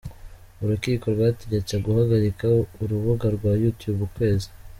Urukiko rwategetse guhagarika urubuga rwa YouTube ukwezi